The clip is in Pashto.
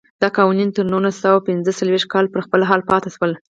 دا قوانین تر نولس سوه پنځه څلوېښت کاله پر خپل حال پاتې شول.